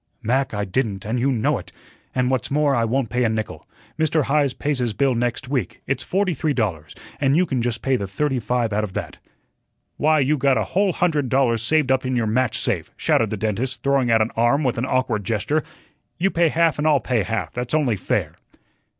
"Mac, I didn't, and you know it. And what's more, I won't pay a nickel. Mr. Heise pays his bill next week, it's forty three dollars, and you can just pay the thirty five out of that." "Why, you got a whole hundred dollars saved up in your match safe," shouted the dentist, throwing out an arm with an awkward gesture. "You pay half and I'll pay half, that's only fair."